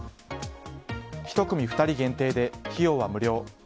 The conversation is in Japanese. １組２人限定で費用は無料。